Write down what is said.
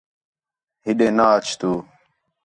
ہِݙے نا اَچ تُو